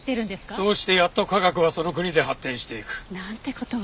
そうしてやっと科学はその国で発展していく。なんて事を。